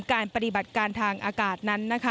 การปฏิบัติการทางอากาศนั้นนะคะ